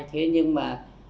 thế nhưng mà